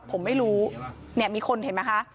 ผมไม่รู้เนี่ยมีคนเห็นไหมคะ